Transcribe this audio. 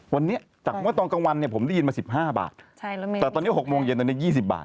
วันนี้จากเมื่อตอนกลางวันเนี่ยผมได้ยินมา๑๕บาทแต่ตอนนี้๖โมงเย็นตอนนี้๒๐บาท